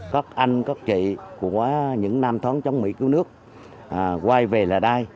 các anh các chị của những nam thoáng chống mỹ cứu nước quay về lại đây